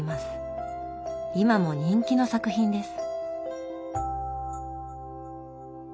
今も人気の作品です。